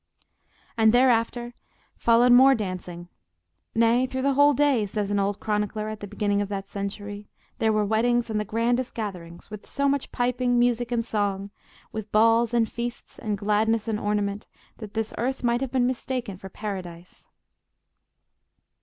And thereafter followed more dancing; nay, through the whole day, says an old chronicler at the beginning of that century, there were weddings and the grandest gatherings, with so much piping, music and song, with balls and feasts and gladness and ornament, that this earth might have been mistaken for Paradise!